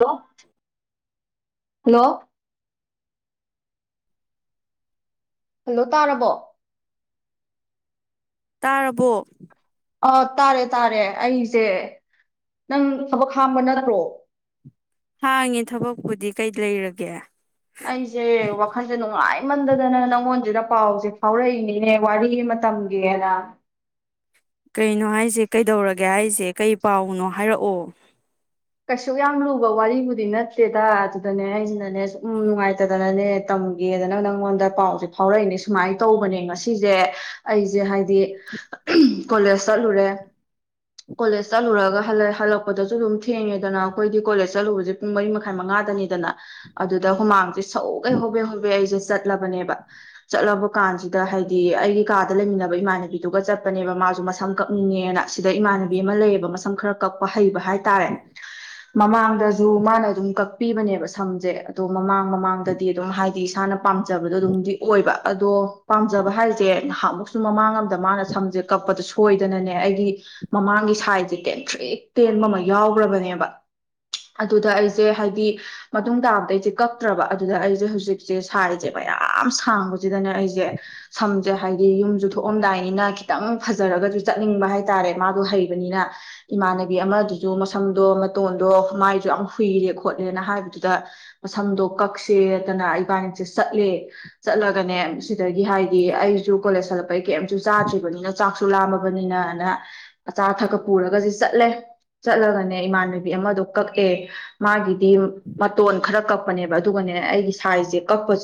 hello hello hello ꯇꯥꯔꯕꯣ ꯇꯥꯔꯕꯣ ꯑꯥ ꯇꯥꯔꯦ ꯇꯥꯔꯦ ꯑꯩꯁꯦ ꯅꯪ ꯊꯕꯛ ꯍꯥꯝꯕ ꯅꯠꯇ꯭ꯔꯣ ꯍꯥꯡꯉꯤ ꯊꯕꯛꯄꯨꯗꯤ ꯀꯩ ꯂꯩꯔꯒꯦ ꯑꯩꯁꯦ ꯋꯥꯈꯜꯁꯦ ꯅꯨꯡꯉꯥꯏ ꯍꯃꯟꯗꯗꯅ ꯅꯪꯉꯣꯟꯁꯤꯗ ꯄꯥꯎꯁꯦ ꯐꯥꯎꯔꯛꯏꯅꯤꯅꯦ ꯋꯥꯔꯤ ꯃꯇꯝꯒꯦꯅ ꯀꯩꯅꯣ ꯍꯥꯏꯁꯦ ꯀꯩꯗꯧꯔꯒꯦ ꯍꯥꯏꯁꯦ ꯀꯩ ꯄꯥꯎꯅꯣ ꯍꯥꯏꯔꯛꯑꯣ ꯀꯩꯁꯨ ꯌꯥꯝ ꯂꯨꯕ ꯋꯥꯔꯤꯕꯨꯗꯤ ꯅꯠꯇꯦꯗ ꯑꯗꯨꯗꯅꯦ ꯑꯩꯁꯤꯅꯅꯦ ꯁꯨꯝ ꯅꯨꯡꯉꯥꯏꯇꯗꯅꯅꯦ ꯇꯝꯒꯦꯗꯅ ꯅꯪꯉꯣꯟꯗ ꯄꯥꯎꯁꯦ ꯐꯥꯎꯔꯛꯏꯅꯦ ꯁꯨꯃꯥꯏꯅ ꯇꯧꯕꯅꯦ ꯉꯁꯤꯁꯦ ꯑꯩꯁꯦ ꯍꯥꯏꯗꯤ ꯀꯣꯂꯦꯖ ꯆꯠꯂꯨꯔꯦ ꯀꯣꯂꯦꯖ ꯆꯠꯂꯨꯔꯒ ꯍꯜꯂꯛꯄꯗꯁꯨ ꯑꯗꯨꯝ ꯊꯦꯡꯉꯦꯗꯅ ꯑꯩꯈꯣꯏꯒꯤ ꯀꯣꯂꯦꯖ ꯆꯠꯂꯨꯕꯁꯦ ꯄꯨꯡ ꯃꯔꯤ ꯃꯈꯥꯏ ꯃꯉꯥꯗꯅꯤꯗꯅ ꯑꯗꯨꯗ ꯍꯨꯃꯥꯡꯁꯦ ꯁꯧꯒꯩ ꯍꯣꯕꯦ ꯍꯣꯕꯦ ꯑꯩꯁꯦ ꯆꯠꯂꯕꯅꯦꯕ ꯆꯠꯂꯕ ꯀꯥꯟꯁꯤꯗ ꯍꯥꯏꯗꯤ ꯑꯩꯒꯤ ꯀꯥꯗ ꯂꯩꯃꯤꯟꯅꯕ ꯏꯃꯥꯟꯅꯕꯤꯗꯨꯒ ꯆꯠꯄꯅꯦꯕ ꯃꯥꯁꯨ ꯃꯁꯝ ꯀꯛꯅꯤꯡꯉꯦꯅ ꯁꯤꯗ ꯏꯃꯥꯟꯅꯕꯤ ꯑꯃ ꯂꯩꯌꯦꯕ ꯃꯁꯝ ꯈꯔ ꯀꯛꯄ ꯍꯩꯕ ꯃꯃꯥ ꯃꯥꯅ ꯑꯗꯨꯝ ꯀ ꯄꯤꯕꯅꯦꯕ ꯁꯝꯁꯦ ꯑꯗꯣ ꯃꯃꯥꯡ ꯃꯃꯥꯡꯗꯗꯤ ꯑꯗꯨꯝ ꯍꯥꯏꯗꯤ ꯆꯥꯅ ꯄꯥꯝꯖꯕꯗꯣ ꯑꯗꯨꯝꯗꯤ ꯑꯣꯏꯕ ꯑꯗꯣ ꯄꯥꯝꯖꯕ ꯍꯥꯏꯁꯦ ꯅꯍꯃꯨꯁꯨ ꯃꯃꯥꯡ ꯑꯝꯗ ꯃꯥꯅ ꯁꯝꯁꯦ ꯀꯛꯄꯗ ꯁꯣꯏꯗꯅꯅꯦ ꯑꯩꯒꯤ ꯃꯃꯥꯡꯒꯤ ꯁꯥꯏꯖꯁꯦ ꯇꯦꯟꯊ꯭ꯔꯤꯛ ꯇꯦꯟꯕ ꯑꯃ ꯌꯥꯎꯈ꯭ꯔꯕꯅꯦ ꯕ ꯑꯗꯨꯗ ꯑꯩꯁꯦ ꯍꯥꯏꯗꯤ ꯃꯇꯨꯡ ꯇꯥꯕꯗ ꯑꯩꯁꯦ ꯀꯛꯇ꯭ꯔꯕ ꯑꯗꯨꯗ ꯑꯩꯁꯦ ꯍꯧꯖꯤꯛꯁꯦ ꯁꯥꯏꯁꯦ ꯃꯌꯥꯝ ꯁꯥꯡꯕꯁꯤꯗꯅꯦ ꯑꯩꯁꯦ ꯁꯝꯁꯦ ꯍꯥꯏꯗꯤ ꯌꯨꯝꯁꯨ ꯊꯣꯛꯑꯝꯗꯥꯏꯅꯤꯅ ꯈꯤꯇꯪ ꯐꯖꯔꯒꯁꯨ ꯆꯠꯅꯤꯡꯕ ꯍꯥꯏꯇꯥꯔꯦ ꯃꯥꯗꯣ ꯍꯩꯕꯅꯤꯅ ꯏꯃꯥꯟꯅꯕꯤ ꯑꯃꯗꯨꯁꯨ ꯃꯁꯝ ꯑꯗꯣ ꯃꯇꯣꯟꯗꯣ ꯃꯥꯏꯁꯨ ꯌꯥꯝ ꯍꯨꯏꯔꯦ ꯈꯣꯠꯂꯦꯅ ꯍꯥꯏꯕꯗꯨꯗ ꯃꯁꯝꯗꯣ ꯀꯛꯁꯦꯗꯅ ꯏꯕꯥꯅꯤꯁꯦ ꯆꯠꯂꯦ ꯆꯠꯂꯒꯅꯦ ꯁꯤꯗꯒꯤ ꯍꯥꯏꯗꯤ ꯑꯩꯁꯨ ꯀꯣꯂꯦꯖ ꯆꯠꯂꯛꯄꯩ ꯀꯩꯝꯁꯨ ꯆꯥꯗ꯭ꯔꯤꯕꯅꯤꯅ ꯆꯥꯛꯁꯨ ꯂꯥꯝꯃꯕꯅꯤꯅꯅ ꯑꯆꯥ ꯑꯊꯛꯀ ꯄꯨꯔꯒꯁ ꯆꯠꯂꯦ ꯆꯠꯂꯒ ꯏꯃꯥꯟꯅꯕꯤ ꯑꯃꯗ ꯀꯛꯑꯦ ꯃꯥꯒꯤꯗꯤ ꯃꯇꯣꯟ ꯈꯔ ꯀꯛꯄꯅꯦꯕ ꯑꯗꯨꯒꯅꯦ ꯑꯩꯒꯤ ꯁꯥꯏꯖꯁꯦ ꯀꯛꯄ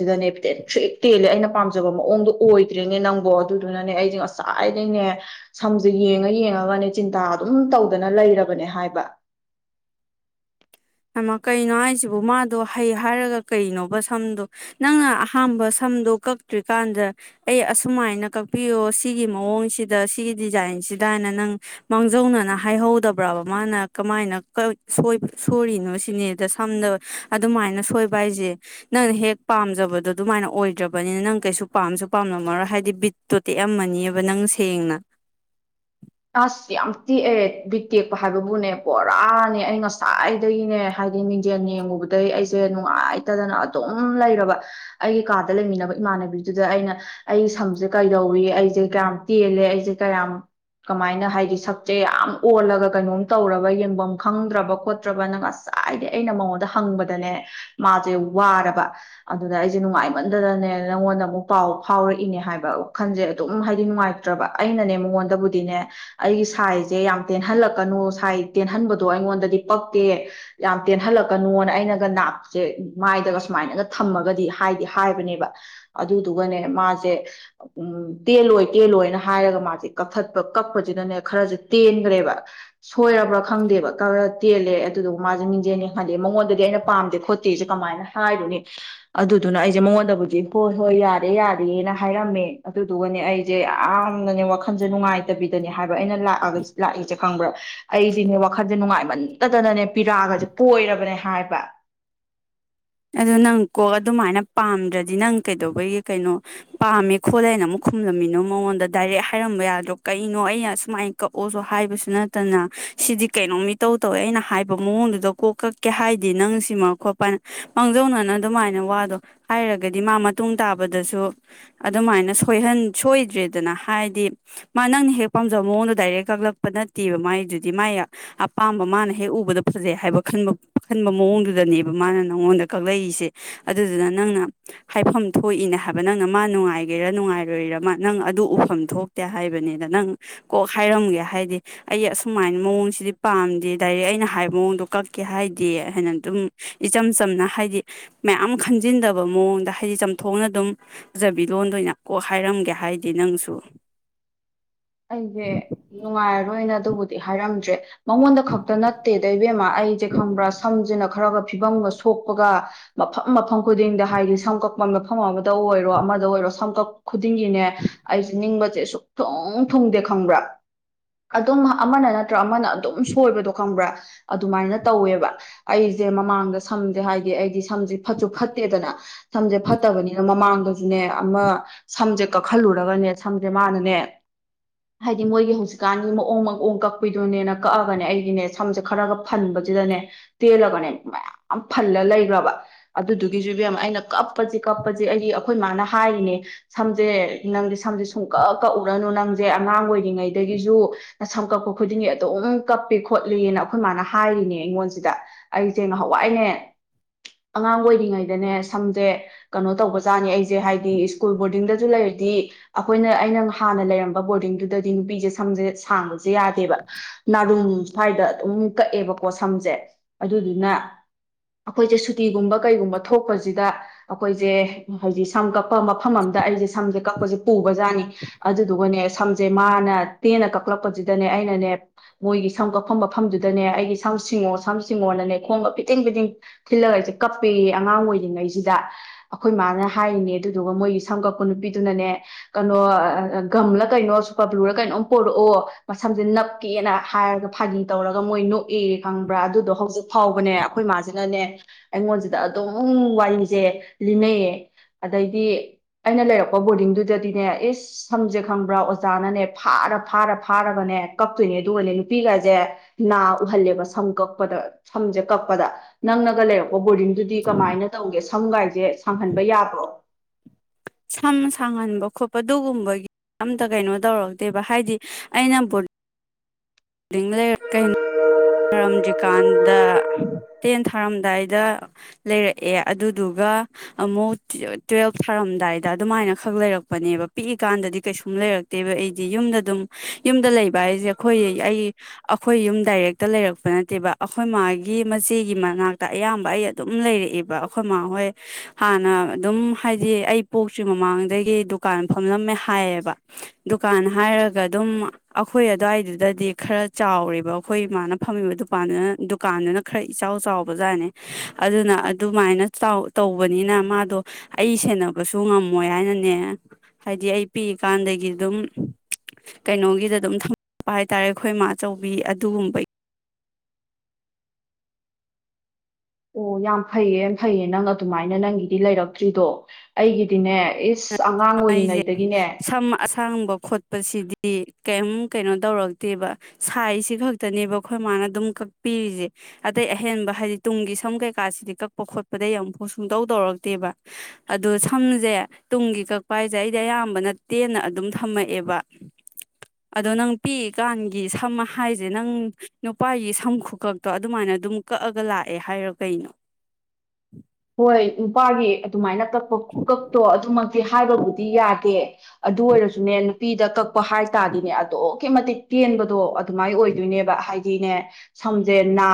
ꯑꯩꯅ ꯐꯖꯕ ꯃꯑꯣꯡꯗꯣ ꯑꯣꯏꯗ꯭ꯔꯤꯅꯦ ꯅꯪꯕꯨꯣ ꯑꯗꯨꯗꯨꯅꯅꯦ ꯑꯩꯁꯦ ꯉꯁꯥꯏꯗꯩꯅꯦ ꯁꯝꯁꯦ ꯌꯦꯡꯉ ꯌꯦꯡꯉꯒꯅꯦ ꯆꯤꯟꯇꯥ ꯑꯗꯨꯝ ꯇꯧꯗꯅ ꯂꯩꯔꯕꯅꯦ ꯍꯥꯏꯕ ꯀꯩꯅꯣ ꯍꯥꯏꯁꯤꯕꯨ ꯃꯥꯗꯣ ꯍꯩ ꯍꯥꯏꯔꯒ ꯀꯩꯅꯣꯕ ꯁꯝꯗꯣ ꯅꯪꯅ ꯑꯍꯝꯕ ꯁꯝꯗꯣ ꯀꯛꯇ꯭ꯔꯤꯀꯥꯟꯗ ꯑꯩ ꯑꯁꯨꯃꯥꯏꯅ ꯀꯛꯄꯤꯌꯣ ꯁꯤꯒꯤ ꯃꯑꯣꯡꯁꯤꯗ ꯁꯤꯒꯤ ꯗꯤꯖꯥꯏꯟꯁꯤꯗ ꯍꯥꯏꯅ ꯅꯪ ꯃꯥꯡꯖꯧꯅꯅ ꯍꯥꯏꯍꯧꯗꯕ꯭ꯔꯕ ꯃꯥꯅ ꯀꯃꯥꯏꯅꯕ ꯁꯣꯔꯤꯅꯣ ꯁꯤꯅꯦꯗ ꯁꯝꯗꯕ ꯑꯗꯨꯃꯥꯏꯅ ꯁꯣꯏꯕ ꯍꯥꯏꯁꯦ ꯅꯪꯅ ꯍꯦꯛ ꯄꯥꯝꯖꯕꯗꯣ ꯑꯗꯨꯃꯥꯏꯅ ꯑꯣꯏꯗ꯭ꯔꯕꯅꯤꯅ ꯅꯪ ꯀꯩꯁꯨ ꯄꯥꯝꯁꯨ ꯄꯥꯝꯂꯝꯝꯃꯔꯣ ꯍꯥꯏꯗꯤ ꯕꯤꯠꯇꯣ ꯇꯦꯛꯑꯝꯃꯅꯤꯕ ꯅꯪ ꯁꯦꯡꯅ ꯑꯁ ꯌꯥꯝ ꯇꯦꯛꯑꯦ ꯕꯤꯛ ꯇꯦꯛꯄ ꯍꯥꯏꯕꯕꯨꯅꯦ ꯄꯨꯣꯔꯥꯅꯦ ꯑꯩ ꯉꯁꯥꯏꯗꯒꯤꯅꯦ ꯍꯥꯏꯗꯤ ꯂꯤꯡꯖꯦꯜ ꯌꯦꯡꯉꯨꯕꯗꯒꯤꯩ ꯑꯩꯁꯦ ꯅꯨꯡꯉꯥꯏꯇꯗꯅ ꯑꯗꯨꯝ ꯂꯩꯔꯕ ꯑꯩꯒꯤ ꯀꯥꯗ ꯂꯩꯃꯤꯟꯅꯕ ꯏꯃꯥꯟꯅꯕꯤꯗꯨꯗ ꯑꯩꯅ ꯑꯩ ꯁꯝꯁꯦ ꯀꯩꯗꯧꯏꯤ ꯑꯩꯁꯦ ꯀꯌꯥꯝ ꯇꯦꯜꯂꯦ ꯑꯩꯁꯦ ꯀꯌꯥꯝ ꯀꯃꯥꯏꯅ ꯍꯥꯏꯗꯤ ꯁꯛꯁꯦ ꯌꯥꯝ ꯑꯣꯜꯂꯒ ꯀꯩꯅꯣꯝ ꯇꯧꯔꯕ ꯌꯦꯡꯐꯝ ꯈꯪꯗ꯭ꯔꯕ ꯈꯣꯠꯇ꯭ꯔꯕꯅꯪ ꯉꯁꯥꯏꯗꯤ ꯑꯩꯅ ꯃꯉꯣꯟꯗ ꯍꯪꯕꯗꯅꯦ ꯃꯥꯁꯦ ꯋꯥꯔꯕ ꯑꯗꯨꯗ ꯑꯩꯁꯦ ꯅꯨꯡꯉꯥꯏꯃꯟꯗꯗꯅꯦ ꯅꯪꯉꯣꯟꯗ ꯑꯃꯨꯛ ꯄꯥꯎ ꯐꯥꯎꯔꯛꯏꯅꯦ ꯍꯥꯏꯕ ꯋꯥꯈꯜꯁꯦ ꯑꯗꯨꯝ ꯍꯥꯏꯗꯤ ꯅꯨꯡꯉꯥꯏꯇ꯭ꯔꯕ ꯑꯩꯅꯅꯦ ꯃꯉꯣꯟꯗꯕꯨꯗꯤ ꯅꯦ ꯑꯩꯒꯤ ꯁꯥꯏꯖꯁꯦ ꯌꯥꯝ ꯇꯦꯟꯍꯜꯂꯛꯀꯅꯨ ꯁꯥꯏꯖ ꯇꯦꯟꯍꯟꯕꯗꯣ ꯑꯩꯉꯣꯟꯗꯗꯤ ꯄꯛꯀꯦ ꯌꯥꯝ ꯇꯦꯟꯍꯜꯂꯛꯀꯅꯣꯅ ꯑꯩꯅꯒ ꯅꯥꯞꯁꯦ ꯃꯥꯏꯗꯒ ꯁꯨꯃꯥꯏꯅꯒ ꯊꯝꯃꯒꯗꯤ ꯍꯥꯏꯗꯤ ꯍꯥꯏꯕꯅꯦꯕ ꯑꯗꯨꯗꯨꯒꯅꯦ ꯃꯥꯁꯦ ꯇꯦꯜꯂꯣꯏ ꯇꯦꯜꯂꯣꯏꯅ ꯍꯥꯏꯔꯒ ꯃꯥꯁꯦ ꯀꯛꯊꯠ ꯀꯠꯄ ꯀꯛꯄꯁꯤꯅꯅꯦ ꯈꯔꯁꯦ ꯇꯦꯟꯈ꯭ꯔꯦꯕ ꯁꯣꯏꯔꯕ꯭ꯔꯥ ꯈꯪꯗꯦꯕ ꯀ ꯈ ꯇꯦꯜꯂꯦ ꯑꯗꯨꯗꯨꯒ ꯃꯥꯁꯦ ꯃꯤꯡꯖꯦꯜꯅꯦ ꯈꯟꯗꯦ ꯃꯉꯣꯟꯗꯗꯤ ꯑꯩꯅ ꯄꯥꯝꯗꯦ ꯈꯣꯠꯇꯦꯁꯦ ꯀꯃꯥꯏꯅ ꯍꯥꯏꯔꯨꯅꯤ ꯑꯗꯨꯗꯨꯅ ꯑꯩꯁꯦ ꯃꯉꯣꯟꯗꯕꯨꯗꯤ ꯍꯣꯏ ꯍꯣꯏ ꯌꯥꯔꯦ ꯌꯥꯗꯦꯦꯅ ꯍꯥꯏꯔꯝꯃꯦ ꯑꯗꯨꯗꯨꯒꯅꯦ ꯑꯩꯁꯦ ꯌꯥꯝꯅꯅꯦ ꯋꯥꯈꯜꯁꯦ ꯅꯨꯡꯉꯥꯏꯇ ꯕꯤꯗꯅꯦ ꯍꯥꯏꯕ ꯑꯩꯅ ꯂꯑ ꯂꯥꯛꯏꯁꯦ ꯈꯪꯕ꯭ꯔꯥ ꯑꯩꯁꯤꯅꯦ ꯋꯥꯈꯟꯁꯦ ꯅꯨꯡꯉꯥꯏꯃꯟꯇꯗꯅꯅꯦ ꯄꯤꯔꯛꯑꯒꯁꯦ ꯀꯣꯏꯔꯕꯅꯦ ꯍꯥꯏꯕ ꯑꯗꯨ ꯅꯪ ꯀꯣꯛ ꯑꯗꯨꯃꯥꯏꯅ ꯄꯥꯝꯗ꯭ꯔꯗꯤ ꯅꯪ ꯀꯩꯗꯧꯕꯒꯤ ꯀꯩꯅꯣ ꯄꯥꯝꯃꯦ ꯈꯣꯠꯂꯦꯅ ꯑꯃꯨꯛ ꯈꯨꯝꯂꯝꯃꯤꯅꯣ ꯃꯉꯣꯟꯗ ꯗꯥꯏꯔꯦꯛ ꯍꯥꯏꯔꯝꯕ ꯌꯥꯗ꯭ꯔꯣ ꯀꯩꯅꯣ ꯑꯩꯅ ꯑꯁꯨꯃꯥꯏꯅ ꯀꯛꯑꯣꯁꯨ ꯍꯥꯏꯕꯁꯨ ꯅꯠꯇꯅ ꯁꯤꯗꯤ ꯀꯩꯅꯣ ꯃꯤ ꯇꯧ ꯇꯧꯋꯦ ꯑꯩꯅ ꯍꯥꯏꯕ ꯃꯑꯣꯡꯗꯨꯗ ꯀꯣꯛ ꯀꯛꯀꯦ ꯍꯥꯏꯗꯤ ꯅꯪ ꯁꯤꯃ ꯈꯣꯠꯄ ꯃꯥꯡꯖꯧꯅꯅ ꯑꯗꯨꯃꯥꯏꯅ ꯋꯥꯗꯣ ꯍꯥꯏꯔꯒꯗꯤ ꯃꯥ ꯃꯇꯨꯡ ꯇꯥꯕꯗꯁꯨ ꯑꯗꯨꯃꯥꯏꯅꯍꯟ ꯁꯣꯏꯗ꯭ꯔꯦꯗꯅ ꯍꯥꯏꯗꯤ ꯃꯥ ꯅꯪꯅ ꯍꯦꯛ ꯄꯥꯝꯖꯕ ꯃꯑꯣꯡꯗꯣ ꯗꯥꯏꯔꯦꯛ ꯀꯛꯂꯛꯄ ꯅꯠꯇꯦꯕ ꯃꯥꯏꯗꯨꯗꯤ ꯃꯥꯒꯤ ꯑꯄꯥꯝꯕ ꯃꯥꯅ ꯍꯦꯛ ꯎꯕꯗ ꯐꯖꯩ ꯍꯥꯏꯕ ꯈꯟꯕ ꯈꯟꯕ ꯃꯑꯣꯡꯗꯨꯗꯅꯦꯕ ꯃꯥꯅ ꯅꯪꯉꯣꯟꯗ ꯀꯛꯂꯛꯏꯁꯦ ꯑꯗꯨꯗꯨꯅ ꯅꯪꯅ ꯍꯥꯏꯐꯝ ꯊꯣꯛꯏꯅꯦ ꯍꯥꯏꯕ ꯅꯪꯅ ꯃꯥ ꯅꯨꯡꯉꯥꯏꯒꯦꯔ ꯅꯨꯡꯉꯥꯏꯔꯣꯏꯔ ꯃꯥ ꯅꯪ ꯑꯗꯨ ꯎꯐꯝ ꯊꯣꯛꯇꯦ ꯍꯥꯏꯕꯅꯤꯗ ꯅꯪ ꯀꯣꯛ ꯍꯥꯏꯔꯝꯒꯦ ꯍꯥꯏꯗꯤ ꯑꯩ ꯑꯁꯨꯃꯥꯏꯅ ꯃꯑꯣꯡꯁꯤꯗꯤ ꯄꯥꯝꯗꯦ ꯗꯥꯏꯔꯦꯛ ꯑꯩꯅ ꯍꯥꯏꯕ ꯃꯑꯣꯡꯗꯣ ꯀꯛꯀꯦ ꯍꯥꯏꯗꯦ ꯍꯥꯏꯅ ꯑꯗꯨꯝ ꯏꯆꯝ ꯆꯝꯅ ꯍꯥꯏꯗꯤ ꯃꯌꯥꯝ ꯈꯟꯖꯤꯟꯗꯕ ꯃꯑꯣꯡꯗ ꯍꯥꯏꯗꯤ ꯆꯝꯊꯣꯛꯅ ꯑꯗꯨꯝ ꯐꯖꯕꯤ ꯂꯣꯟꯗꯣꯏ ꯑꯣꯏꯅ ꯀꯣꯛ ꯍꯥꯏꯔꯝꯒꯦ ꯍꯥꯏꯗꯤ ꯅꯪꯁꯨ ꯑꯩꯁꯦ ꯅꯨꯡꯉꯥꯏꯔꯔꯣꯏꯅ ꯑꯗꯨꯕꯨꯗꯤ ꯍꯥꯏꯔꯝꯗ꯭ꯔꯦ ꯃꯉꯣꯟꯗ ꯈꯛꯇ ꯅꯠꯇꯦ ꯇ ꯏꯕꯦꯝꯃ ꯑꯩꯁꯦ ꯈꯪꯕ꯭ꯔꯥ ꯁꯝꯁꯤꯅ ꯈꯔꯒ ꯐꯤꯕꯝꯒ ꯁꯣꯛꯄꯒ ꯃꯐꯝ ꯃꯐꯝ ꯈꯨꯗꯤꯡꯗ ꯍꯥꯏꯗꯤ ꯁꯝꯀꯛꯄ ꯃꯐꯝ ꯑꯃꯗ ꯑꯣꯏꯔꯣ ꯑꯃꯗ ꯑꯣꯏꯔꯣ ꯁꯝꯀꯛ ꯈꯨꯗꯤꯡꯒꯤꯅꯦ ꯑꯩꯁꯦ ꯅꯤꯡꯕ ꯁꯨꯛꯊꯣꯡ ꯊꯨꯡꯗꯦ ꯈꯪꯕ꯭ꯔꯥ ꯑꯗꯨꯝ ꯑꯃꯅ ꯅꯠꯇ꯭ꯔ ꯑꯃꯅ ꯑꯗꯨꯝ ꯁꯣꯏꯕꯗꯣ ꯈꯪꯕ꯭ꯔꯥ ꯑꯗꯨꯃꯥꯏꯅ ꯇꯧꯋꯦꯕ ꯑꯩꯁꯦ ꯃꯃꯥꯡꯗ ꯁꯝꯗꯦ ꯍꯥꯏꯗꯤ ꯑꯩꯗꯤ ꯁꯝꯁ ꯐ ꯐꯠꯇꯦꯗꯅ ꯁꯝꯁꯦ ꯐꯠꯇꯕꯅꯤꯅ ꯃꯃꯥꯡ ꯅꯦ ꯑꯃ ꯁꯝꯁꯦ ꯀꯛꯈꯜꯂꯨꯔꯒꯅꯦ ꯁꯝꯁꯦ ꯃꯥꯅꯅꯦ ꯍꯥꯏꯗꯤ ꯃꯣꯏꯒꯤ ꯍꯧꯖꯤꯛꯀꯥꯟꯒꯤ ꯃꯑꯣꯡ ꯃꯑꯣꯡ ꯀꯛꯄꯤꯗꯨꯣꯏꯅꯦꯅ ꯀꯛꯑꯒꯅꯦ ꯑꯩꯒꯤꯅꯦ ꯁꯝꯁꯦ ꯈꯔꯒ ꯐꯟꯕꯁꯤꯗꯅꯦ ꯇꯦꯜꯂꯒꯅꯦ ꯃꯌꯥꯝ ꯐꯜꯂ ꯂꯩꯈ꯭ꯔꯕ ꯑꯗꯨꯗꯨꯒꯤꯁꯨ ꯏꯕꯦꯝ ꯑꯩꯅ ꯀ ꯀꯄꯦ ꯀꯞꯄꯁꯦ ꯑꯩ ꯑꯩꯈꯣꯏ ꯃꯥꯅ ꯍꯥꯏꯔꯤꯅꯦ ꯁꯝꯁꯦ ꯅꯪꯗꯤ ꯁꯨꯝ ꯀꯛ ꯀꯛꯎꯔꯅꯨ ꯦ ꯑꯉꯥꯡ ꯑꯣꯏꯔꯤꯉꯩꯗꯒꯤꯁꯨ ꯁꯝ ꯀꯛꯄ ꯈꯨꯗꯤꯡꯒꯤ ꯑꯗꯨꯝ ꯀꯞꯄꯤ ꯈꯣꯠꯂꯤꯅ ꯑꯩꯈꯣꯏ ꯃꯥꯅ ꯍꯥꯏꯔꯤꯅꯦ ꯑꯩꯉꯣꯟꯁꯤꯗ ꯑꯩꯁꯦ ꯉꯍꯥꯟꯋꯥꯏꯅꯦ ꯑꯉꯥꯡ ꯑꯣꯏꯔꯤꯉꯩꯗꯅꯦ ꯁꯝꯁꯦ ꯀꯩꯅꯣ ꯇꯧꯕꯖꯥꯅꯤ ꯑꯩꯁꯦ ꯍꯥꯏꯗꯤ ꯁ꯭ꯀꯨꯜ ꯕꯣꯔꯗꯤꯡꯗꯁꯨ ꯂꯩꯔꯗꯤ ꯑꯩꯈꯣꯏꯅ ꯑꯩꯅ ꯍꯥꯟꯅ ꯂꯩꯔ ꯑꯗꯨꯗꯨ ꯑꯩ ꯀ ꯑꯩ ꯍꯥꯏ ꯃꯐꯝ ꯑ ꯑꯃꯗ ꯑꯩꯁꯦ ꯁꯪꯒ ꯀꯛꯄꯁꯦ ꯄꯨꯕꯖꯥꯠꯅꯤ ꯑꯗꯨꯗꯨꯒꯅꯦ ꯁꯝꯁꯦ ꯃꯥꯅ ꯇꯦꯟꯅ ꯀꯛꯂꯛꯄꯗꯨꯗꯅꯦ ꯑꯩꯅꯅꯦ ꯃꯣꯏꯒꯤ ꯁꯝ ꯀꯛꯐꯝ ꯃꯐꯝꯗꯨꯗꯅꯦ ꯑꯩꯒꯤ ꯁꯝ ꯁꯤꯡꯉꯣ ꯁꯝ ꯁꯤꯡꯉꯣꯅꯅꯦ ꯈꯣꯕ ꯐꯤꯇꯤꯡ ꯐꯤꯇꯡ ꯊꯤꯜꯂꯒ ꯑꯩꯁꯦ ꯀꯞꯄ ꯑꯉꯥꯡ ꯑꯣꯏꯔꯤꯉꯩꯁꯤꯗ ꯑꯩꯈꯣꯏ ꯃꯥꯅ ꯍꯥꯏꯔꯤꯅꯦ ꯑꯗꯨꯗꯨꯒ ꯃꯣꯏꯒꯤ ꯁꯝ ꯀꯛꯄ ꯅꯨꯄꯤꯗꯨꯅꯅꯦ ꯀꯩꯅꯣ ꯒꯝꯂ ꯀꯩꯅꯣ ꯁꯨꯄꯔ ꯕ꯭ꯂꯨꯔ ꯀꯩꯅꯣꯝ ꯄꯔꯛꯑꯣ ꯁꯝꯁꯦ ꯅꯞꯀꯦꯅ ꯍꯥꯏꯔꯒ ꯐꯥꯒꯤ ꯇꯧꯔꯒ ꯃꯣꯏ ꯅꯣꯛꯏ ꯈꯪꯕ꯭ꯔꯥ ꯑꯗꯨꯗꯣ ꯍꯧꯖꯤꯛ ꯐꯥꯎꯕꯅꯦ ꯑꯩꯈꯣꯏ ꯃꯥꯁꯤꯅꯅꯦ ꯑꯩꯉꯣꯟꯁꯤꯗ ꯑꯗꯨꯝ ꯋꯥꯔꯤꯁꯦ ꯂꯤꯅꯩꯌꯦ ꯑꯗꯩꯗꯤ ꯑꯩꯅ ꯂꯩꯔꯛꯄ ꯕꯣꯔꯗꯤꯡꯗꯨꯗꯗꯤꯅꯦ ꯏꯁꯝ ꯈꯪꯕ꯭ꯔꯥ ꯑꯣꯖꯥꯅꯅꯦ ꯐꯥꯔ ꯐꯥꯔ ꯐꯥꯔꯒꯅꯦ ꯀꯛꯇꯣꯏꯅꯦ ꯑꯗꯨꯒꯅꯦ ꯅꯨꯄꯤꯒꯁꯦ ꯅꯥ ꯎꯍꯜꯂꯦꯕ ꯁꯝ ꯀꯛꯄꯗ ꯁꯝꯁꯦ ꯀꯛꯄꯗ ꯅꯪꯅꯒ ꯂꯩꯔ ꯑꯣ ꯕꯣꯔꯗꯤꯡꯗꯨꯗꯤ ꯀꯃꯥꯏꯅ ꯇꯧꯒꯦ ꯁꯝꯒꯥꯏꯁꯦ ꯁꯪꯍꯟꯕ ꯌꯥꯕ꯭ꯔꯣ ꯁꯝ ꯁꯥꯡꯍꯟꯕ ꯈꯣꯠꯄ ꯑꯗꯨꯒꯨꯝꯕꯒꯤ ꯑꯝꯇ ꯀꯩꯅꯣ ꯇꯧꯔꯛꯇꯦꯕ ꯍꯥꯏꯗꯤ ꯑꯩꯅ ꯀ ꯊꯥꯔꯝꯗ꯭ꯔꯤꯀꯥꯟꯗ ꯇꯦꯟ ꯊꯥꯔꯝꯗꯥꯏꯗ ꯂꯩꯔꯛꯑꯦ ꯑꯗꯨꯗꯨꯒ ꯑꯃꯨꯛ ꯇ꯭ꯋꯦꯜꯐ ꯊꯥꯔꯝꯗꯥꯏꯗ ꯑꯗꯨꯃꯥꯏꯅ ꯈꯛ ꯂꯩꯔꯛꯄꯅꯦꯕ ꯄꯤꯛꯏꯀꯥꯟꯗꯗꯤ ꯀꯩꯁꯨꯝ ꯂꯩꯔꯛꯇꯦꯕ ꯑꯩꯗꯤ ꯌꯨꯝꯗ ꯑꯗꯨꯝ ꯌꯨꯝꯗ ꯂꯩꯕ ꯍꯥꯏꯁꯦ ꯑꯩꯈꯣꯏ ꯑꯩ ꯑꯩꯈꯣꯏ ꯌꯨꯝ ꯗꯥꯏꯔꯦꯛ ꯇ ꯂꯩꯔꯛꯄ ꯅꯠꯇꯦꯕ ꯑꯩꯈꯣꯏ ꯃꯥꯒꯤ ꯃꯆꯦꯒꯤ ꯃꯅꯥꯛꯇ ꯑꯌꯥꯝꯕ ꯑꯩ ꯑꯗꯨꯝ ꯂꯩꯔꯛꯏꯦꯕ ꯑꯩꯈꯣꯏ ꯃꯥꯍꯣꯏ ꯍꯥꯟꯅ ꯑꯗꯨꯝ ꯍꯥꯏꯗꯤ ꯑꯩ ꯄꯣꯛꯇ꯭ꯔꯤ ꯃꯃꯥꯡꯗꯒꯤ ꯗꯨꯀꯥꯟ ꯐꯝꯂꯝꯃꯦ ꯍꯥꯏꯌꯦꯕ ꯗꯨꯀꯥꯟ ꯍꯥꯏꯔꯒ ꯑꯗꯨꯝ ꯑꯩꯈꯣꯏ ꯑꯗꯨꯋꯥꯏꯗꯨꯗꯗꯤ ꯈꯔ ꯆꯥꯎꯔꯕ ꯑꯩꯈꯣꯏ ꯃꯥꯅ ꯐꯝꯃꯤꯕ ꯗꯨꯀꯥꯟꯗꯨꯅ ꯗꯨꯀꯥꯟꯗꯨꯅ ꯈꯔ ꯏꯆꯥꯎ ꯆꯥꯎꯕ ꯖꯥꯠꯅꯦ ꯑꯗꯨꯅ ꯑꯗꯨꯃꯥꯏꯅ ꯇꯧꯕꯅꯤꯅ ꯃꯥꯗꯣ ꯑꯩ ꯁꯦꯟꯅꯕꯁꯨ ꯉꯝꯃꯣꯏ ꯍꯥꯏꯅꯅꯦ ꯍꯥꯏꯗꯤ ꯑꯩ ꯄꯤꯛꯏꯀꯥꯟꯗꯒꯤ ꯑꯗꯨꯝ ꯀꯩꯅꯣꯒꯤꯗ ꯑꯗꯨꯝ ꯊꯝꯃꯛꯄ ꯍꯥꯏꯇꯥꯔꯦ ꯑꯩꯈꯣꯏ ꯃꯥ ꯑꯆꯧꯕꯤ ꯑꯗꯨꯒꯨꯝꯕꯒꯤ ꯑꯣ ꯌꯥꯝ ꯐꯩꯌꯦ ꯌꯥꯝ ꯐꯩꯌꯦ ꯅꯪ ꯑꯗꯨꯃꯥꯏꯅ ꯅꯪꯒꯤꯗꯤ ꯂꯩꯔꯛꯇ꯭ꯔꯤꯗꯣ ꯑꯩꯒꯤꯗꯤꯅꯦ ꯏꯁ ꯑꯉꯥꯡ ꯑꯣꯏꯔꯤꯉꯩꯗꯒꯤꯅꯦ ꯁꯥꯡꯕ ꯈꯣꯠꯄꯁꯤꯗꯤ ꯀꯩꯝ ꯀꯩꯅꯣ ꯇꯧꯔꯛꯇꯦꯕ ꯁꯥꯏꯁꯤ ꯈꯛꯇꯅꯦꯕ ꯑꯩꯈꯣꯏ ꯃꯥꯅ ꯑꯗꯨꯝ ꯀꯛꯄꯤꯔꯤꯁꯦ ꯑꯇꯩ ꯑꯍꯦꯟꯕ ꯍꯥꯏꯗꯤ ꯇꯨꯡꯒꯤ ꯁꯝ ꯀꯩꯀꯥꯁꯤꯗꯤ ꯀꯛꯄ ꯈꯣꯠꯄꯗ ꯌꯥꯝ ꯐꯧ ꯁꯨꯡꯇꯧ ꯇꯧꯔꯛꯇꯦꯕ ꯑꯗꯨꯗ ꯁꯝꯁꯦ ꯇꯨꯡꯒꯤ ꯀꯛꯄ ꯍꯥꯏꯁꯦ ꯑꯩꯗꯤ ꯑꯌꯥꯝꯕꯅ ꯇꯦꯟꯅ ꯑꯗꯨꯝ ꯊꯝꯃꯛꯑꯦꯕ ꯑꯗꯣ ꯅꯪ ꯄꯤꯛꯏꯀꯥꯟꯒꯤ ꯁꯝ ꯍꯥꯏꯁꯦ ꯅꯪ ꯅꯨꯄꯥꯒꯤ ꯁꯝ ꯈꯨꯈꯛꯇꯣ ꯑꯗꯨꯃꯥꯏꯅ ꯑꯗꯨꯝ ꯀꯛꯑꯒ ꯂꯥꯛꯑꯦ ꯍꯥꯏꯔꯣ ꯀꯩꯅꯣ ꯍꯣꯏ ꯅꯨꯄꯥꯒꯤ ꯑꯗꯨꯃꯥꯏꯅ ꯀꯛꯄ ꯈꯨꯀꯛꯇꯣ ꯑꯗꯨꯃꯛꯇꯤ ꯍꯥꯏꯕꯕꯨꯗꯤ ꯌꯥꯗꯦ ꯑꯗꯨ ꯑꯣꯏꯔꯁꯨꯅꯦ ꯄꯤꯗ ꯀꯛ ꯍꯥꯏ ꯇꯔꯗꯤꯅꯦ ꯑꯗꯨꯛꯀꯤ ꯃꯇꯤꯛ ꯇꯦꯟꯕꯗꯣ ꯑꯗꯨꯃꯥꯏꯅ ꯑꯣꯏꯗꯣꯏꯅꯦꯕ ꯍꯥꯏꯗꯤ ꯅꯦ ꯁꯝꯁꯦꯅꯥ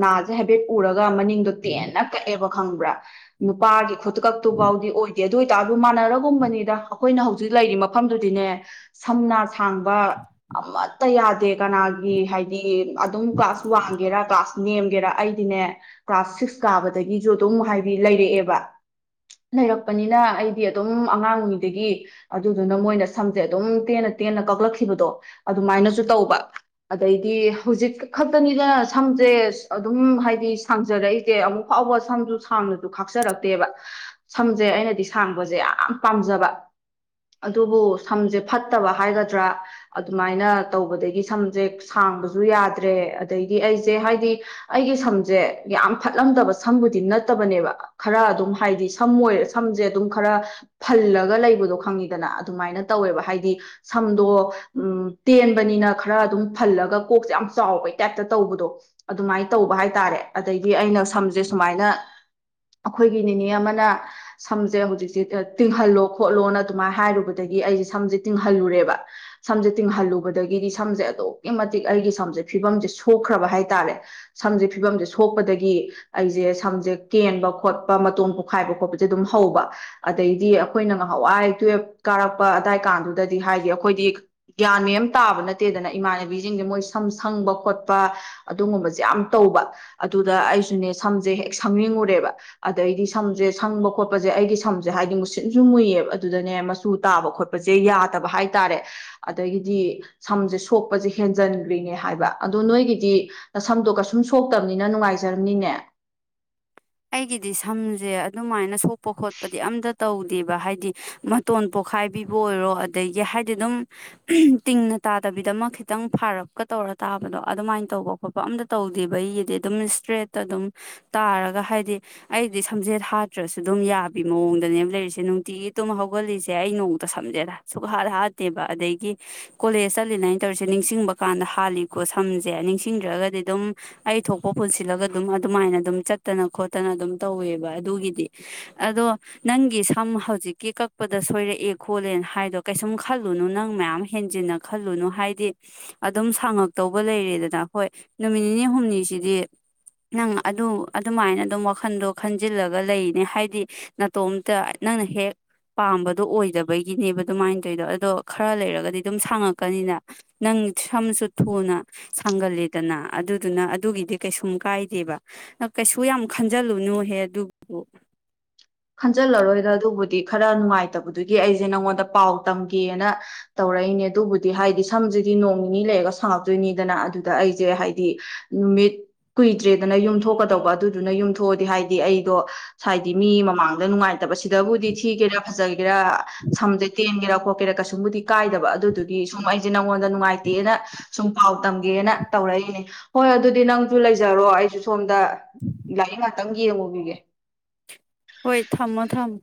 ꯅꯥꯁꯦ ꯍꯥꯏꯐꯦꯠ ꯎꯔꯒ ꯒꯥ ꯇꯦꯟꯅ ꯀꯛꯑꯦꯕ ꯈꯪꯕ꯭ꯔꯥ ꯅꯨꯄꯥꯒꯤ ꯈꯨꯛꯀꯛ ꯇꯨꯕꯕꯥꯎꯒꯤ ꯑꯣꯏꯗ ꯑꯗꯨꯑꯣꯏꯠꯔꯁꯨ ꯑꯗꯨ ꯃꯥꯟꯅꯔꯒꯨꯝꯕꯅꯤꯗ ꯑꯩꯈꯣꯏꯅ ꯍꯧꯖꯤꯛ ꯍꯧ ꯂꯩꯔꯤ ꯃꯐꯝꯗꯨꯗꯤꯅꯦ ꯁꯝꯅꯥ ꯊꯥꯡꯕ ꯑꯃꯠꯇ ꯌꯥꯗꯦ ꯀꯅꯥꯒꯤ ꯍꯥꯏꯗꯤ ꯑꯗꯨꯝ ꯀ꯭ꯂꯥꯁ ꯋꯥꯡꯒꯦꯔꯥ ꯀ꯭ꯂꯥꯁ ꯅꯦꯝꯒꯦꯔꯥ ꯑꯩꯗꯤꯅꯦ ꯀ꯭ꯂꯥꯁ ꯁꯤꯛꯁ ꯀꯥꯕꯗꯒꯤ ꯨ ꯑꯗꯨꯝ ꯍꯥꯏꯗꯤ ꯂꯩꯔꯛꯑꯦꯕ ꯂꯩꯔꯛꯄꯅꯤꯅ ꯑꯩꯗꯤ ꯑꯗꯨꯝ ꯑꯉꯥꯡꯉꯗꯒꯤ ꯑꯗꯨꯗꯨꯅ ꯃꯣꯏꯅ ꯁꯝꯁꯦ ꯑꯗꯨꯝ ꯇꯦꯟꯅ ꯇꯦꯟꯅ ꯀꯛꯂꯛꯈꯤꯕꯗꯣ ꯑꯗꯨꯃꯥꯏꯅꯁꯨ ꯇꯧꯕ ꯑꯗꯩꯗꯤ ꯍꯧꯖꯤꯛ ꯈꯛꯇꯅꯤꯗꯅ ꯁꯝꯁꯦ ꯑꯗꯨꯝ ꯍꯥꯏꯗꯤ ꯁꯥꯡꯖꯔꯛꯏꯁꯦ ꯑꯃꯨꯛ ꯐꯥꯎꯕ ꯁꯝꯁꯨ ꯁꯥꯡꯅꯁꯨ ꯈꯥꯛꯆꯔꯛꯇꯦꯕ ꯁꯝꯁꯦ ꯑꯩꯅꯗꯤ ꯁꯥꯡꯕꯁꯦ ꯌꯥꯝ ꯄꯥꯝꯖꯕ ꯑꯗꯨꯕꯨ ꯁꯝꯁꯦ ꯐꯠꯇꯕ ꯍꯥꯏꯒꯗ꯭ꯔꯥ ꯑꯗꯨꯃꯥꯏꯅ ꯇꯧꯕꯗꯒꯤ ꯁꯝꯁꯦ ꯁꯥꯡꯕꯁꯨ ꯌꯥꯗ꯭ꯔꯦ ꯑꯗꯩꯗꯤ ꯑꯩꯁꯦ ꯍꯥꯏꯗꯤ ꯑꯩꯒꯤ ꯁꯝꯁꯦ ꯌꯥꯝ ꯐꯠꯂꯝꯗꯕ ꯁꯝꯕꯨꯗꯤ ꯅꯠꯇꯕꯅꯦꯕ ꯈꯔ ꯑꯗꯨꯝ ꯍꯥꯏꯗꯤ ꯁꯝ ꯑꯣꯏꯔꯦ ꯁꯝꯁꯦ ꯑꯗꯨꯝ ꯈꯔ ꯐꯜꯂꯒ ꯂꯩꯕꯗꯣ ꯈꯪꯉꯤꯗꯅ ꯑꯗꯨꯃꯥꯏꯅ ꯇꯧꯋꯦꯕ ꯍꯥꯏꯗꯤ ꯁꯝꯗꯣ ꯎ ꯇꯦꯟꯕꯅꯤꯅ ꯈꯔ ꯑꯗꯨꯝ ꯐꯜꯂꯒ ꯀꯣꯛꯁꯦ ꯌꯥꯝ ꯆꯥꯎꯕꯩ ꯇꯥꯏꯞꯇ ꯇꯧꯕꯗꯣ ꯑꯗꯨꯃꯥꯏꯅ ꯇꯧꯕ ꯍꯥꯏꯇꯥꯥꯔꯦ ꯑꯗꯩꯗꯤ ꯑꯩꯅ ꯁꯝꯁꯦ ꯁꯨꯃꯥꯏꯅ ꯑꯩꯈꯣꯏꯒꯤ ꯅꯤꯅꯦ ꯑꯃꯅ ꯁꯝꯁꯦ ꯍꯧꯖꯤꯛꯁꯦ ꯇꯤꯡꯍꯜꯂꯣ ꯈꯣꯠꯂꯣꯅ ꯑꯗꯨꯃꯥꯏꯅ ꯍꯥꯏꯔꯨꯕꯗꯒꯤ ꯑꯩꯁꯦ ꯁꯝꯁꯦ ꯇꯤꯡꯍꯜꯂꯨꯔꯦꯕ ꯁꯝꯁꯦ ꯇꯤꯡꯍꯜꯂꯨꯕꯗꯒꯤꯗꯤ ꯁꯝꯁꯦ ꯑꯗꯨꯛꯀꯤ ꯃꯇꯤꯛ ꯑꯩꯒꯤ ꯁꯝꯁꯦ ꯐꯤꯕꯝꯁꯦ ꯁꯣꯛꯈ꯭ꯔꯕ ꯍꯥꯏꯇꯥꯔꯦ ꯁꯝꯁꯦ ꯐꯤꯕꯝꯁꯦ ꯁꯣꯛꯄꯗꯒꯤ ꯑꯩꯁꯦ ꯁꯝꯁꯦ ꯀꯦꯟꯕ ꯈꯣꯠꯄ ꯃꯇꯣꯝ ꯄꯣꯈꯥꯏꯕ ꯈꯣꯠꯄꯁꯦ ꯑꯗꯨꯝ ꯍꯧꯕ ꯑꯗꯩꯗꯤ ꯑꯩꯈꯣꯏꯅ ꯉꯍꯥꯟꯋꯥꯏ ꯇꯨꯌꯦꯞ ꯀꯥꯔꯛꯄ ꯑꯋꯥꯏ ꯀꯥꯟꯗꯨꯗꯗꯤ ꯍꯥꯏꯗꯤ ꯑꯩꯈꯣꯏꯗꯤ ꯒ꯭ꯌꯥꯟ ꯃꯌꯥꯝ ꯇꯥꯕ ꯅꯠꯇꯦꯗꯅ ꯏꯃꯥꯟꯅꯕꯤꯁꯤꯡꯁꯦ ꯃꯣꯏ ꯁꯝ ꯁꯪꯕ ꯈꯣꯠꯄ ꯑꯗꯨꯒꯨꯝꯕꯁꯦ ꯌꯥꯝ ꯇꯧꯕ ꯑꯗꯨꯗ ꯑꯩꯁꯨꯅꯦ ꯁꯝꯁꯦ ꯍꯦꯛ ꯁꯪꯅꯤꯡꯉꯨꯔꯦꯕ ꯑꯗꯩꯗꯤ ꯁꯝꯁꯦ ꯁꯪꯕ ꯈꯣꯠꯄꯁꯦ ꯑꯩꯗꯤ ꯁꯝꯁꯦ ꯍꯥꯏꯗꯤ ꯃꯨꯁꯤꯠꯁꯨ ꯃꯨꯏꯌꯦꯕ ꯑꯗꯨꯗꯅꯦ ꯃꯆꯨ ꯇꯥꯕ ꯈꯣꯠꯄꯁꯦ ꯌꯥꯗꯕ ꯍꯥꯏꯇꯥꯔꯦ ꯑꯗꯒꯤꯗꯤ ꯁꯝꯁꯦ ꯁꯣꯛꯄꯁꯦ ꯍꯦꯟꯖꯟꯈ꯭ꯔꯤꯅꯦ ꯍꯥꯏꯕ ꯑꯗꯣ ꯅꯣꯏꯒꯤꯗꯤ ꯁꯝꯗꯣ ꯀꯩꯁꯨꯝ ꯁꯣꯛꯇꯕꯅꯤꯅ ꯅꯨꯡꯉꯥꯏꯖꯔꯝꯅꯤꯅꯦ ꯑꯩꯒꯤꯗꯤ ꯁꯝꯁꯦ ꯑꯗꯨꯃꯥꯏꯅ ꯁꯣꯛꯄ ꯈꯣꯠꯄꯗꯤ ꯑꯝꯇ ꯇꯧꯗꯦꯕ ꯍꯥꯏꯗꯤ ꯃꯇꯣꯟ ꯄꯣꯛꯈꯥꯏꯕꯤꯕ ꯑꯣꯏꯔꯣ ꯑꯗꯒꯤ ꯍꯥꯏꯗꯤ ꯑꯗꯨꯝ ꯇꯤꯡꯅ ꯇꯥꯗꯕꯤꯗꯃꯛ ꯈꯤꯇꯪ ꯐꯥꯔꯞꯀ ꯇꯧꯔ ꯇꯥꯕꯗꯣ ꯑꯗꯨꯃꯥꯏꯅ ꯇꯧꯕ ꯈꯣꯠꯄ ꯑꯝꯇ ꯇꯧꯗꯦꯕ ꯑꯩꯒꯤꯗꯤ ꯑꯗꯨꯝ ꯏꯁꯇ꯭ꯔꯦꯠꯇ ꯑꯗꯨꯝ ꯇꯥꯔꯒ ꯍꯥꯏꯗꯤ ꯍꯥꯏꯗꯤ ꯑꯩꯗꯤ ꯁꯝꯖꯦꯠ ꯍꯥꯠꯇ꯭ꯔꯁꯨ ꯑꯗꯨꯝ ꯌꯥꯕꯤ ꯃꯑꯣꯡꯗꯅꯦꯕ ꯂꯩꯔꯤꯁꯦ ꯅꯨꯡꯇꯤꯒꯤ ꯇꯝ ꯍꯧꯒꯠꯂꯤꯁꯦ ꯑꯩ ꯅꯣꯡꯇ ꯁꯝꯖꯦꯠ ꯁꯨꯛ ꯍꯥꯠ ꯍꯥꯠꯇꯦꯕ ꯑꯗꯒꯤ ꯀꯣꯂꯦꯖ ꯆꯠꯂꯤꯅꯦꯥꯏꯅ ꯇꯧꯔꯤꯁꯦ ꯅꯤꯡꯁꯤꯡꯕ ꯀꯥꯟꯗ ꯍꯥꯜꯂꯤꯀꯣ ꯁꯝꯁꯦ ꯅꯤꯡꯁꯤꯡꯗ꯭ꯔꯒꯗꯤ ꯑꯗꯨꯝ ꯑꯩ ꯊꯣꯛꯄ ꯄꯨꯟꯁꯤꯜꯂꯒ ꯑꯗꯨꯝ ꯑꯗꯨꯃꯥꯏꯅ ꯑꯗꯨꯝ ꯆꯠꯇꯅ ꯈꯣ ꯇꯅ ꯑꯗꯨꯝ ꯇꯧꯋꯦꯕ ꯑꯗꯨꯒꯤꯗꯤ ꯑꯗꯣ ꯅꯪꯒꯤ ꯁꯝ ꯍꯧꯖꯤꯛꯀꯤ ꯀꯛꯄꯗ ꯁꯣꯏꯔꯛꯑꯦ ꯈꯣꯠꯂꯦꯅ ꯍꯥꯏꯗꯣ ꯀꯩꯁꯨꯝ ꯈꯜꯂꯨꯅꯨ ꯅꯪ ꯃꯌꯥꯝ ꯍꯦꯟꯖꯤꯟꯅ ꯈꯜꯂꯨꯅꯨ ꯍꯥꯏꯗꯤ ꯑꯗꯨꯝ ꯁꯥꯡꯉꯛꯇꯧꯕ ꯂꯩꯔꯦꯗꯅ ꯍꯣꯏ ꯅꯨꯃꯤꯠ ꯅꯤꯅꯤ ꯍꯨꯝꯅꯤꯁꯤꯗꯤ ꯅꯪ ꯑꯗꯨ ꯑꯗꯨꯃꯥꯏꯅ ꯑꯗꯨꯝ ꯋꯥꯈꯟꯗꯣ ꯈꯟꯖꯤꯜꯂꯒ ꯂꯩꯅꯦ ꯍꯥꯏꯗꯤ ꯅꯥꯇꯣꯝꯇ ꯅꯪꯅ ꯍꯦꯛ ꯄꯥꯝꯕꯗꯣ ꯑꯣꯏꯗꯕꯒꯤꯅꯦꯕ ꯑꯗꯨꯃꯥꯏꯅ ꯇꯧꯣꯏꯗꯣ ꯑꯗꯣ ꯈꯔ ꯂꯩꯔꯒꯗꯤ ꯑꯗꯨꯝ ꯁꯥꯡꯉꯛꯀꯅꯤꯅ ꯅꯪ ꯁꯝꯁꯨ ꯊꯨꯅ ꯁꯥꯡꯒꯂꯦꯗꯅ ꯑꯗꯨꯗꯨꯅ ꯑꯗꯨꯒꯤꯗꯤ ꯀꯩꯁꯨꯝ ꯀꯥꯏꯗꯦꯕ ꯀꯩꯁꯨ ꯌꯥꯝ ꯈꯟꯖꯤꯜꯂꯨꯅꯨꯍꯦ ꯑꯗꯨꯕꯨ ꯈꯟꯖꯤꯜꯂꯔꯣꯏꯗ ꯑꯗꯨꯕꯨꯗꯤ ꯈꯔ ꯅꯨꯡꯉꯥꯏꯇꯕꯗꯨꯒꯤ ꯑꯩꯁꯦ ꯅꯪꯉꯣꯟꯗ ꯄꯥꯎ ꯇꯝꯒꯦꯅ ꯇꯧꯔꯛꯏꯅꯦ ꯑꯗꯨꯕꯨꯗꯤ ꯍꯥꯏꯗꯤ ꯁꯝꯁꯤꯗꯤ ꯅꯣꯡ ꯅꯤꯅꯤ ꯂꯩꯔꯒ ꯁꯪꯉꯛꯇꯣꯏꯅꯤꯗꯅ ꯑꯗꯨꯗ ꯑꯩꯁꯦ ꯍꯥꯏꯗꯤ ꯅꯨꯃꯤꯠ ꯀꯨꯏꯗ꯭ꯔꯦꯗꯅ ꯌꯨꯝꯊꯣꯛꯀꯗꯧꯕ ꯑꯗꯨꯗꯨꯅ ꯌꯨꯝꯊꯣꯛꯑꯗꯤ ꯍꯥꯏꯗꯤ ꯑꯩꯗꯣ ꯍꯥꯏꯗꯤ ꯃꯤ ꯑꯃ ꯃꯥꯡꯗ ꯅꯨꯡꯉꯥꯏ ꯐꯠꯇꯕ ꯁꯤꯗꯕꯨꯗꯤ ꯊꯤꯒꯦꯔꯥ ꯐꯖꯒꯦꯔꯥ ꯁꯝꯗ ꯇꯦꯟꯒꯦꯔꯥ ꯈꯣ ꯇꯦꯔꯥ ꯀꯁꯨꯝꯕꯨꯗꯤ ꯀꯥꯏꯗꯕ ꯑꯗꯨꯗꯨꯗꯤ ꯁꯨꯝꯃꯥꯏꯁꯤꯦ ꯑꯩꯉꯣꯟꯗ ꯅꯨꯡꯉꯥꯏꯇꯦꯅ ꯁꯨꯝ ꯄꯥꯎ ꯇꯝꯒꯦꯅ ꯇꯧꯔꯛꯏꯅꯦ ꯍꯣꯏ ꯑꯗꯨꯗꯤ ꯅꯪꯁꯨ ꯂꯩꯖꯔꯣ ꯑꯩꯁꯨ ꯁꯣꯝꯗ ꯂꯥꯏꯅꯤꯡ ꯪ ꯌꯦ ꯌꯦꯡꯉꯨꯒꯤꯒꯦ ꯍꯣꯏ ꯊꯝꯃꯣ ꯊꯝꯃꯣ